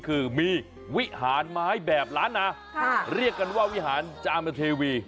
คือมีวิหารไม้แบบล้านนาเรียกกันว่าวิหารจามเทวี